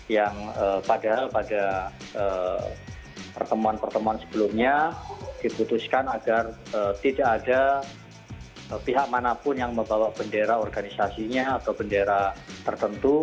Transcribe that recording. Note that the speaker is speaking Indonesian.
yang padahal pada pertemuan pertemuan sebelumnya diputuskan agar tidak ada pihak manapun yang membawa bendera organisasinya atau bendera tertentu